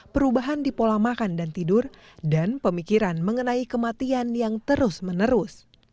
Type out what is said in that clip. perubahan di pola makan dan tidur dan pemikiran mengenai kematian yang terus menerus